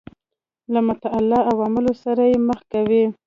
له متعالي عوالمو سره یې مخ کوي.